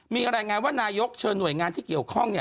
มีอะไรไงว่านายกเชิญหน่วยงานที่เกี่ยวข้องเนี่ย